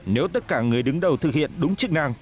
nếu tất cả người đứng đầu thực hiện đúng chức năng